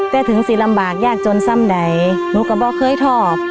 แต่ถึงสิลำบากยากจนซ้ำใดหนูก็บอกเคยทอบ